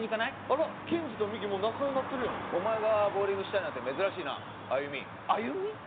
あらケンジとミキもう仲良うなってるやんお前がボウリングしたいなんて珍しいなアユミアユミ？